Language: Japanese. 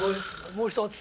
もう１つ。